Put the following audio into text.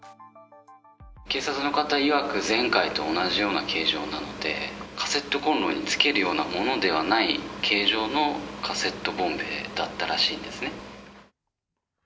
警察の方いわく、前回と同じような形状なので、カセットコンロにつけるようなものではない形状のカセットボンベだったらしいんですね。